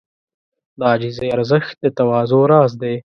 د عاجزۍ ارزښت د تواضع راز دی.